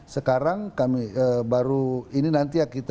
sekarang kami baru ini nanti ya kita